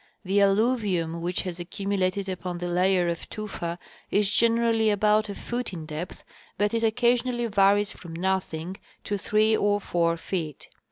The alluvium which has accumulated upon the layer of tufa is generally about a foot in depth, but it occasionally varies from nothing to three or four feet.